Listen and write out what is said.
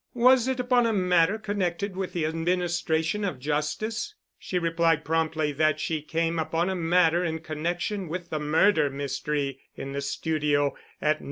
Was it upon a matter connected with the administration of justice? She replied promptly that she came upon a matter in connection with the murder mystery in the studio at No.